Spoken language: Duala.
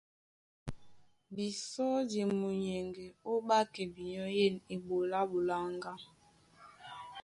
Bisɔ́ di e munyɛŋgɛ ó ɓákɛ binyɔ́ yên eɓoló á ɓoláŋgá.